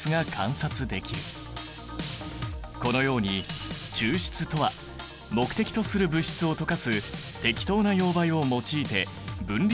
このように抽出とは目的とする物質を溶かす適当な溶媒を用いて分離する操作のこと。